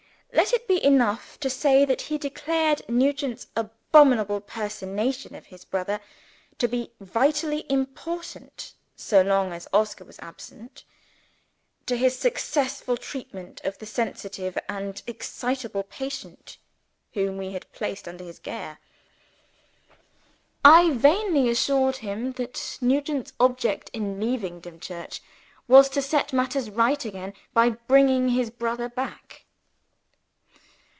Let it be enough to say that he declared Nugent's abominable personation of his brother to be vitally important so long as Oscar was absent to his successful treatment of the sensitive and excitable patient whom we had placed under his care. I vainly assured him that Nugent's object in leaving Dimchurch was to set matters right again by bringing his brother back.